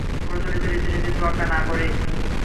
প্রচলিত রীতিনীতির তোয়াক্কা না করেই!